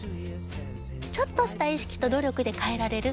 ちょっとした意識と努力で変えられる。